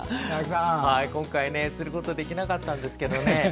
今回、釣ることはできなかったんですけどね